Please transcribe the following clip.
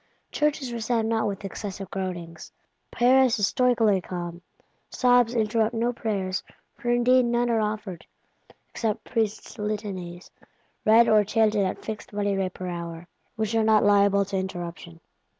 Churches resound not with excessive groanings; Paris is stoically calm: sobs interrupt no prayers, for indeed none are offered; except Priests' Litanies, read or chanted at fixed money rate per hour, which are not liable to interruption.